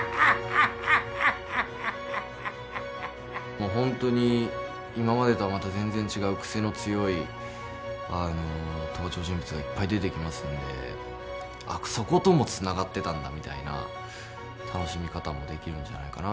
もう本当に今までとはまた全然違う癖の強い登場人物がいっぱい出てきますのであっそこともつながってたんだみたいな楽しみ方もできるんじゃないかなという気はしますね。